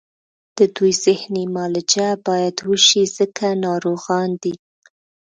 د دوی ذهني معالجه باید وشي ځکه ناروغان دي